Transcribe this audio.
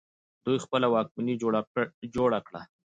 دوی خپله واکمني جوړه کړه